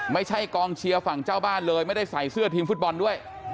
ไม่ใช่กองเชียร์ฝั่งเจ้าบ้านเลยไม่ได้ใส่เสื้อทีมฟุตบอลด้วย